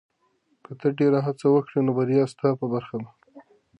که ته ډېره هڅه وکړې، نو بریا ستا په برخه ده.